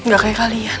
gak kayak kalian